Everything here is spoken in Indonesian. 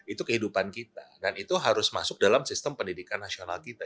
itu kehidupan kita dan itu harus masuk dalam sistem pendidikan nasional kita